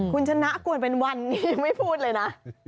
คุณชนะกวนเป็นวันนี้ไม่พูดเลยนะ